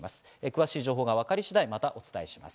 詳しい情報がわかり次第、またお伝えします。